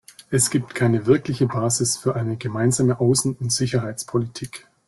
Es gibt keine wirkliche Basis für eine gemeinsame Außen- und Sicherheitspolitik.